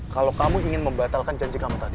kalau kamu ingin membatalkan janji kamu tadi